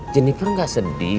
jenifer gak sedih